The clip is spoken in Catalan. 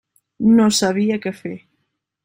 No sabia què fer.